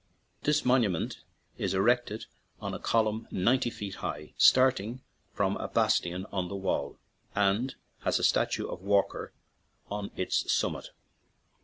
This monument is erected on a column ninety feet high, starting from a bastion on the wall, and has a statue of Walker on its summit.